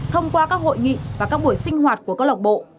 thông qua các hội nghị và các buổi sinh hoạt của cơ lộ bộ